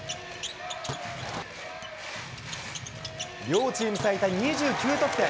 両チーム最多２９得点。